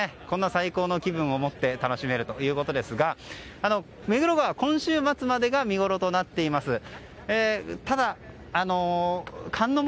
こんな最高の気分をもって楽しめるということですが目黒川、今週末までが見ごろとなっています。